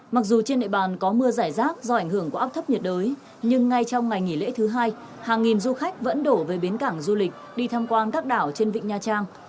mặc dù trên địa bàn có mưa giải rác do ảnh hưởng của áp thấp nhiệt đới nhưng ngay trong ngày nghỉ lễ thứ hai hàng nghìn du khách vẫn đổ về bến cảng du lịch đi tham quan các đảo trên vịnh nha trang